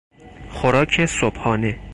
خوراک صبحانه